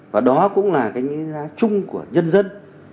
và đó cũng là cái đánh giá chung của nhân dân